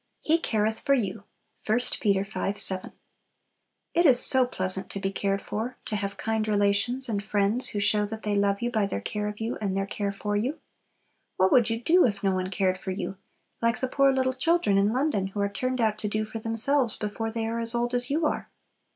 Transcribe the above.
"He careth for you." I Pet. v. 7. It is so pleasant to be cared for; to have kind relations and friends who show that they love you by their care of you, and their care for you. What would you do if no one cared for you, like the poor little children in London who are turned out to "do for themselves" before they are as old as you are?